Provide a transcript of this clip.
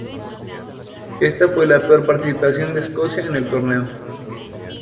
Esta fue la peor participación de Escocia en el torneo.